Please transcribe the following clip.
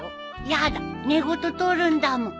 やだ寝言とるんだもん。